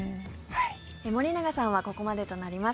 森永さんはここまでとなります。